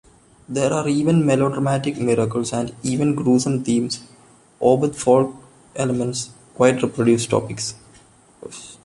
There are even melodramatic miracles and even gruesome themes or with folk elements, quite reproduced topics.